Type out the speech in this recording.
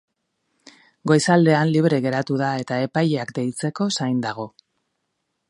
Goizaldean libre geratu da, eta epaileak deitzeko zain dago.